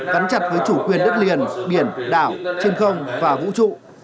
gắn chặt với chủ quyền đất liền biển đảo trên không và vũ trụ